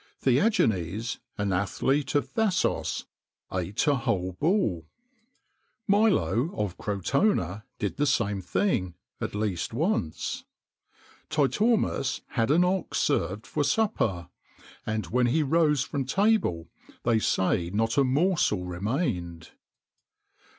[XXIX 5] Theagenes, an athlete of Thasos, eat a whole bull;[XXIX 6] Milo of Crotona did the same thing at least once.[XXIX 7] Titormus had an ox served for supper, and when he rose from table, they say not a morsel remained.